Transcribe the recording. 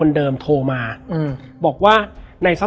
แล้วสักครั้งหนึ่งเขารู้สึกอึดอัดที่หน้าอก